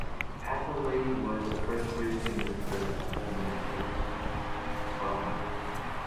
Atherley was the first Christian minister to be elected to Parliament.